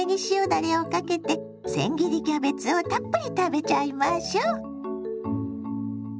だれをかけてせん切りキャベツをたっぷり食べちゃいましょ！